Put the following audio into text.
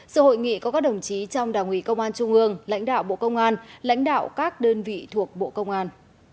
sự hội nghị có các đồng chí trong đảng ủy công an trung ương lãnh đạo bộ công an lãnh đạo các đơn vị thuộc bộ công an